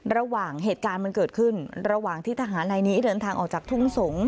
ระหว่างเหตุการณ์มันเกิดขึ้นระหว่างที่ทหารลายนี้เดินทางออกจากทุ่งสงศ